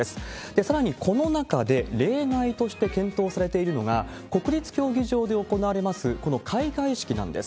さらにこの中で、例外として検討されているのが、国立競技場で行われます、この開会式なんです。